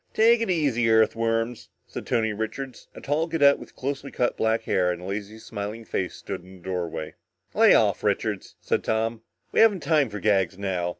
"Take it easy, Earthworms!" said Tony Richards. A tall cadet with closely cut black hair and a lazy, smiling face stood in the doorway. "Lay off, Richards," said Tom. "We haven't time for gags now.